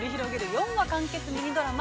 ４話完結ミニドラマ。